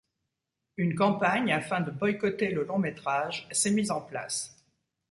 Une campagne afin de boycotter le long métrage s'est mise en place.